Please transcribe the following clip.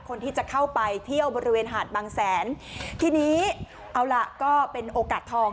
คนที่จะเข้าไปเที่ยวบริเวณหาดบางแสนทีนี้เอาล่ะก็เป็นโอกาสทอง